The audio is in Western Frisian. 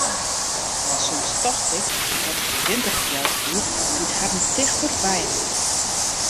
Soms tocht ik dat it de winterkjeld wie dy't harren tichter byinoar brocht.